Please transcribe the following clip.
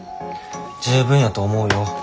十分やと思うよ。